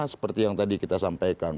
seperti yang tadi kita sampaikan